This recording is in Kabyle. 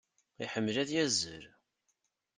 Iḥemmel ad yazzel.